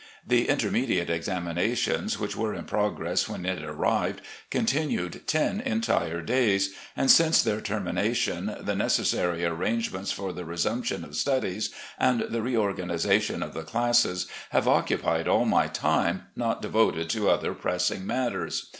The intermediate examinations which were in progress when it arrived continued ten entire days, and since their termination the necessary arrangements for the re sumption of studies, and the reorganisation of the classes, have occupied all my time not devoted to other pressing matters.